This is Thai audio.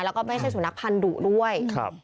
แล้วก็ไม่ใช่สุนัขพันธุด้วย